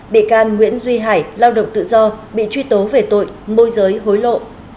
bị can nguyễn duy hải lao động tự do bị truy tố về tội môi giới hối lộ